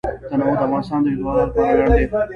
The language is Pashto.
تنوع د افغانستان د هیوادوالو لپاره ویاړ دی.